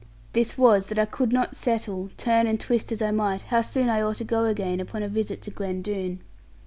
This was, that I could not settle, turn and twist as I might, how soon I ought to go again upon a visit to Glen Doone.